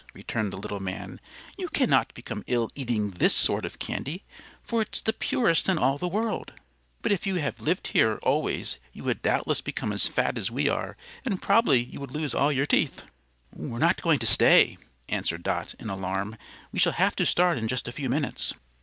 returned the little man; "you cannot become ill eating this sort of candy, for it's the purest in all the world. But if you lived here always you would doubtless become as fat as we are, and probably you would lose all your teeth." "We're not going to stay," answered Dot, in alarm. "We shall have to start in just a few minutes."